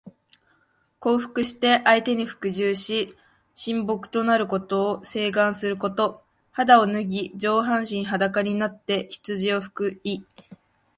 降伏して相手に服従し、臣僕となることを請願すること。肌を脱ぎ、上半身裸になって羊をひく意。